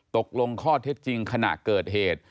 ตกลงข้อเท็จจริงขณะเกิดเหตุ